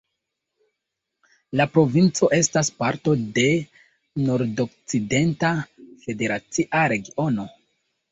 La provinco estas parto de Nordokcidenta federacia regiono.